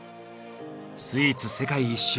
スイーツ世界一周。